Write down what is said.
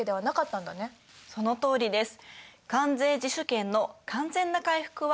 そのとおりです。